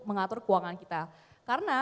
mengatur keuangan kita karena